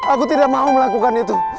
aku tidak mau melakukan itu